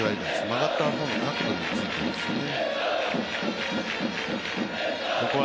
曲がった方の角度についてますね。